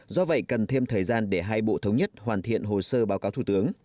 do vậy cần thêm thời gian để hai bộ thống nhất hoàn thiện hồ sơ báo cáo thủ tướng